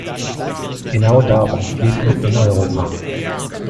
Genau darum geht es in Europa.